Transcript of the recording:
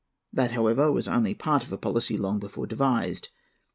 That, however, was only part of a policy long before devised.